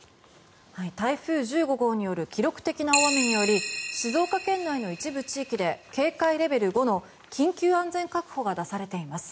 台風１５号による記録的な大雨により静岡県内の一部地域で警戒レベル５の緊急安全確保が出されています。